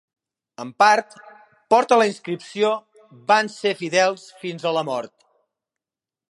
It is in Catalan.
En part, porta la inscripció "van ser fidels fins a la mort".